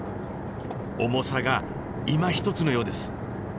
重さがいまひとつのようです。